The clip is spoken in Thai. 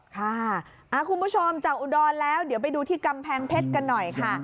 คุณผู้ชมจากอุดรแล้วเดี๋ยวไปดูที่กำแพงเพชรกันหน่อยค่ะ